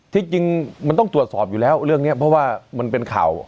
ที่จริงมันต้องตรวจสอบอยู่แล้วเรื่องนี้เพราะว่ามันเป็นข่าว